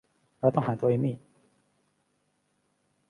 เราต้องหาตัวเอมี่